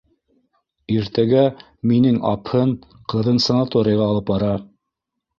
Иртәгә минең апһын ҡыҙын санаторийға алып бара.